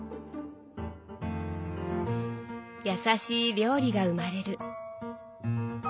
優しい料理が生まれる。